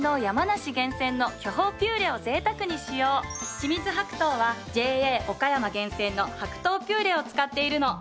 清水白桃はＪＡ岡山厳選の白桃ピューレを使っているの。